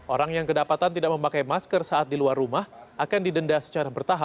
orang yang kedapatan tidak memakai masker saat di luar rumah akan didenda secara bertahap